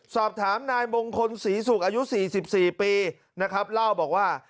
สอบถามนายมงคลศรีศุกร์อายุ๔๔ปีนะครับเล่าบอกว่า